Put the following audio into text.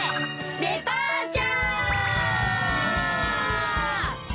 デパーチャー！